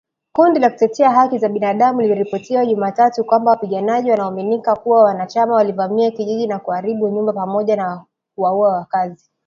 Kundi la kutetea haki za binadamu liliripoti Jumatatu kwamba wapiganaji wanaoaminika kuwa wanachama walivamia kijiji na kuharibu nyumba pamoja na kuwaua wakazi.